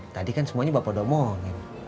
tadi kan semuanya bapak udah omongin